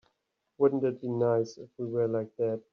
Wouldn't it be nice if we were like that?